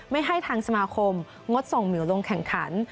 ไม่ให้ทางสมาคมงดส่งหมิวลงแข่งขัน